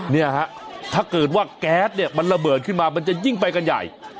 เนี่ยฮะถ้าเกิดว่าแก๊สเนี่ยมันระเบิดขึ้นมามันจะยิ่งไปกันใหญ่